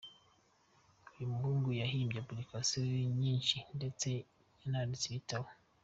Uyu muhungu yahimbye applications nyinshi ndetse yananditse igitabo.